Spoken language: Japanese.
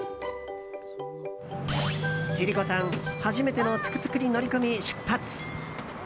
千里子さん、初めてのトゥクトゥクに乗り込み出発。